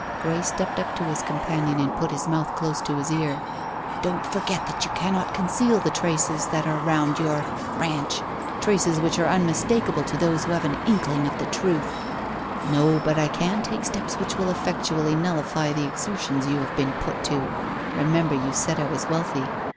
Grey stepped up to his companion and put his mouth close to his ear. "Don't forget that you cannot conceal the traces that are round your ranch. Traces which are unmistakable to those who have an inkling of the truth." "No, but I can take steps which will effectually nullify the exertions you have been put to. Remember you said I was wealthy.